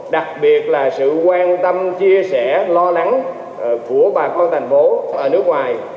đặc biệt là sự quan tâm chia sẻ lo lắng của bà con thành phố ở nước ngoài